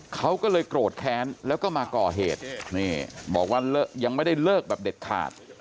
เขาก็เลยโกรธแค้นแล้วก็มาก่อเหตุนี่บอกว่ายังไม่ได้เลิกแบบเด็ดขาด